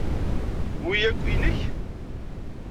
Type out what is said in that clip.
Wi akk nnek?